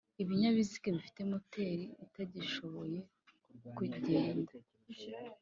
Ibinyabiziga bifite moteri itagishoboye kugenda